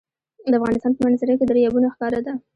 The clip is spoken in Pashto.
د افغانستان په منظره کې دریابونه ښکاره ده.